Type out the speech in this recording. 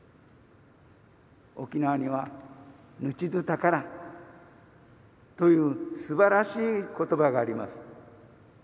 沖縄には「命どぅ宝」というすばらしいことばがあります。